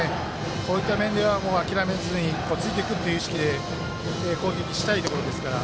こういった面では諦めずについていくという意識で攻撃したいところですから。